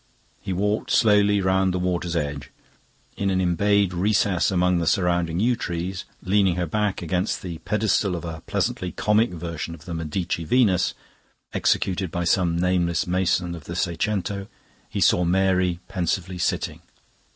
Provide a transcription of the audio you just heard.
He walked slowly round the water's edge. In an embayed recess among the surrounding yew trees, leaning her back against the pedestal of a pleasantly comic version of the Medici Venus, executed by some nameless mason of the seicento, he saw Mary pensively sitting.